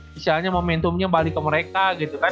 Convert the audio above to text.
misalnya momentumnya balik ke mereka gitu kan